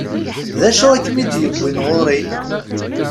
D acu i kem-id-yewwin ɣur-i?